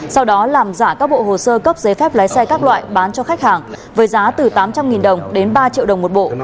sau đó làm giả các bộ hồ sơ cấp giấy phép lái xe các loại bán cho khách hàng với giá từ tám trăm linh đồng đến ba triệu đồng một bộ